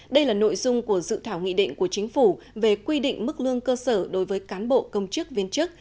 đây là nội dung của dự thảo nghị định của chính phủ về quy định mức lương cơ sở đối với cán bộ công chức viên chức